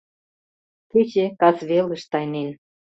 Кече кас велыш тайнен.